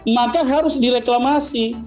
maka harus direklamasi